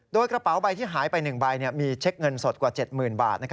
โดยกระเป๋าใบที่หายไป๑ใบมีเช็คเงินสดกว่า๗๐๐บาท